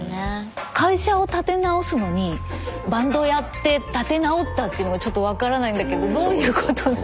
会社を立て直すのにバンドをやって立て直ったっていうのがちょっとわからないんだけどどういうこと？